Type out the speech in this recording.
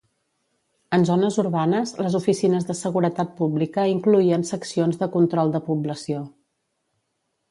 En zones urbanes, les oficines de seguretat pública incloïen seccions de control de població.